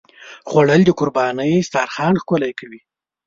خوړل د قربانۍ دسترخوان ښکلوي